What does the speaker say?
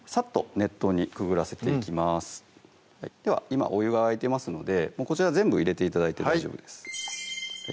今お湯が沸いてますのでこちら全部入れて頂いて大丈夫です